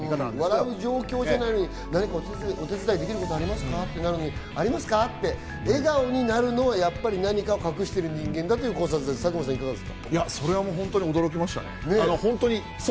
笑う状況じゃないのに何かお手伝いできることありますかってなるのにありますか？って笑顔になるのは何かを隠している人間だという考察、佐久間さん、いかがです？